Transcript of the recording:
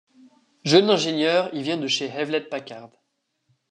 Jeune ingénieur, il vient de chez Hewlett-Packard.